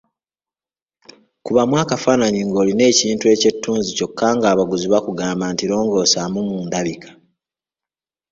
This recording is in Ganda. Kubamu akafaananyi ng’olina ekintu eky’ettunzi kyokka ng’abaguzi bakugamba nti longoosaamu mu ndabika.